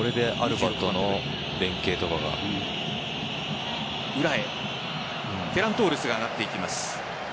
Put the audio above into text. フェラントーレスが上がっていきます。